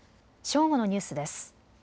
正午のニュースです。